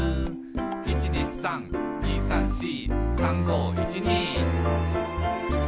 「１２３２３４」「３５１２」